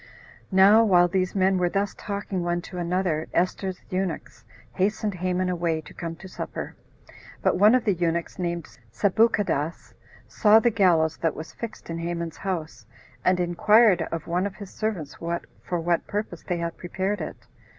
11. Now while these men were thus talking one to another, Esther's eunuchs hastened Haman away to come to supper; but one of the eunuchs, named Sabuchadas, saw the gallows that was fixed in Haman's house, and inquired of one of his servants for what purpose they had prepared it.